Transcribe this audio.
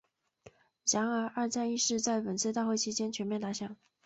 然而二战亦是在本次大会期间全面打响。